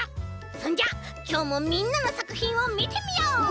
そんじゃきょうもみんなのさくひんをみてみよう！